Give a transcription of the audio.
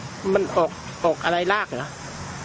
นี่ที่ใหญ่ขอบคุณมากได้นะครับ